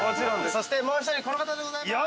◆そしてもう一人、この方でございます。